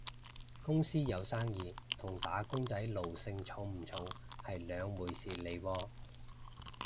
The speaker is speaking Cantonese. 公司有生意同打工仔奴性重唔重係兩回事嚟喎